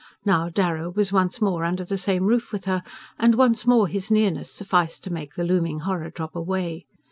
Now Darrow was once more under the same roof with her, and once more his nearness sufficed to make the looming horror drop away.